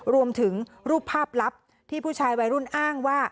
รูปภาพลับที่ผู้ชายวัยรุ่นอ้างว่า